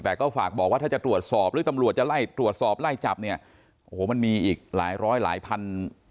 แต่ก็ฝากบอกว่าถ้าจะตรวจสอบหรือตำรวจจะไล่ตรวจสอบไล่จับเนี่ยโอ้โหมันมีอีกหลายร้อยหลายพัน